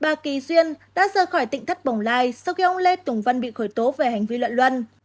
bà kỳ duyên đã rời khỏi tỉnh thất bồng lai sau khi ông lê tùng văn bị khởi tố về hành vi lợi luân